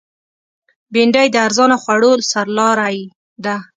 بېنډۍ د ارزانه خوړو سرلاری ده